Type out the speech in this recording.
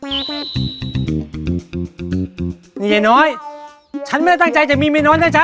นี่ยายน้อยฉันไม่ได้ตั้งใจจะมีเมียน้อยนะจ๊